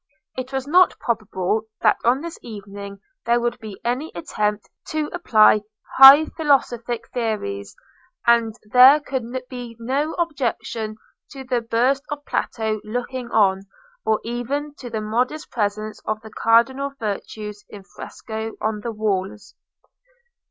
It was not probable that on this evening there would be any attempt to apply high philosophic theories; and there could be no objection to the bust of Plato looking on, or even to the modest presence of the cardinal virtues in fresco on the walls.